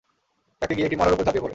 কাকটি গিয়ে একটি মড়ার উপর ঝাপিয়ে পড়ে।